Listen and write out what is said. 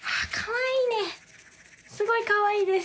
すごいかわいいです。